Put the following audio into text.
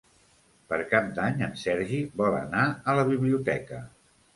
Per Cap d'Any en Sergi vol anar a la biblioteca.